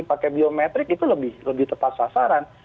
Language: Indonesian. pakai biometrik itu lebih tepat sasaran